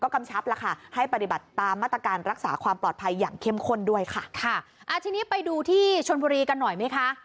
การรักษาความปลอดภัยอย่างเข้มข้นด้วยค่ะค่ะอ่าทีนี้ไปดูที่ชนบุรีกันหน่อยไหมค่ะ